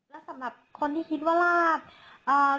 และสำหรับคนที่คิดว่าราชเอ่อ